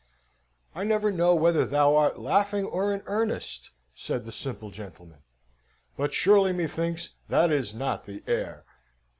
"I never know whether thou art laughing or in earnest," said the simple gentleman, "but surely methinks that is not the air."